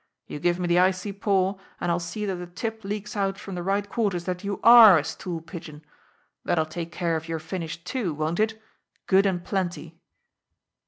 "You give me the icy paw, and I'll see that the tip leaks out from the right quarters that you are a stool pigeon. That'll take care of your finish, too, won't it good and plenty!"